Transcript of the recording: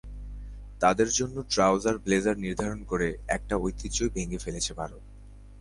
তাঁদের জন্য trouser blazer নির্ধারণ করে একটা ঐতিহ্যই ভেঙে ফেলছে ভারত।